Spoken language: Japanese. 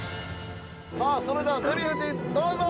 ◆さあ、それではデヴィ夫人どうぞ。